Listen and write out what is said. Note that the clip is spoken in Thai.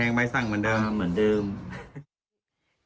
เหมือนเดิมให้มารอเหมือนเดิมตามลายแท้งไว้สั่งเหมือนเดิม